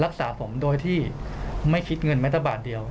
รักษาผมโดยที่ไม่คิดเงินแม้แต่บาทเดียว